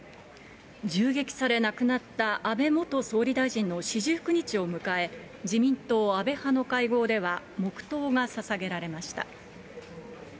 銃撃され亡くなった安倍元総理大臣の四十九日を迎え、自民党安倍派の会合では、黙とうがささげられました。